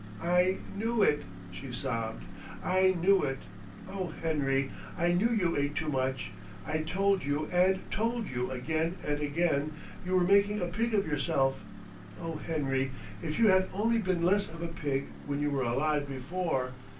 'I knew it!' she sobbed; 'I knew it! Oh, Henry, I knew you ate too much. I told you and told you again and again you were making a pig of yourself. Oh, Henry, if you had only been less of a pig when you were alive before!'